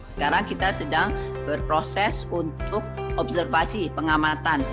sekarang kita sedang berproses untuk observasi pengamatan